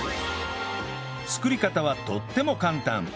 作り方はとっても簡単